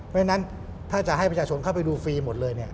ไม่งั้นถ้าจะให้ประชาชนเข้าไปดูฟรีหมดเลย